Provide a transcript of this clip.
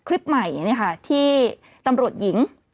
คลิปใหม่ที่ตำรวจหญิง